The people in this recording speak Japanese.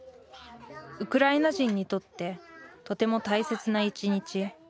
ウクライナ人にとってとても大切な一日。